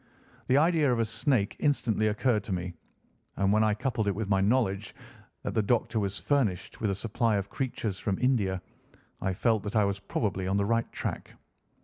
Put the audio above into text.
The idea of a snake instantly occurred to me, and when I coupled it with my knowledge that the doctor was furnished with a supply of creatures from India, I felt that I was probably on the right track.